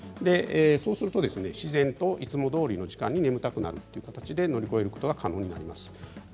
そうすると自然といつもどおりの時間に眠たくなって乗り越えることが可能です。